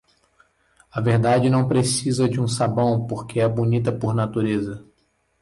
A verdade não precisa de sabão porque é bonita por natureza.